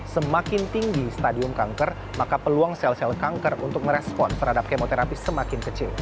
semakin tinggi stadium kanker maka peluang sel sel kanker untuk merespon terhadap kemoterapi semakin kecil